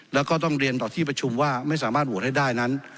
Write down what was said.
แล้วก็ต้องเรียนต่อที่ประชุมว่าไม่สามารถโหวตให้ได้นั้น